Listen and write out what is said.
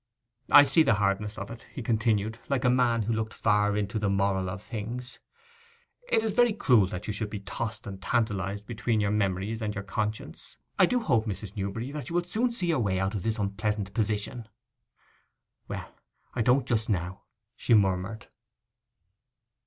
'I see the hardness of it,' he continued, like a man who looked far into the moral of things. 'And it is very cruel that you should be tossed and tantalized between your memories and your conscience. I do hope, Mrs. Newberry, that you will soon see your way out of this unpleasant position.' 'Well, I don't just now,' she murmured.